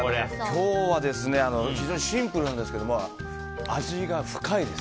今日は非常にシンプルなんですけど味が深いです。